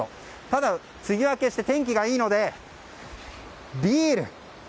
ただ、梅雨明けして天気がいいのでビール。